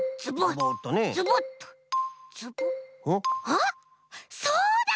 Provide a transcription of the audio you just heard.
あっそうだ！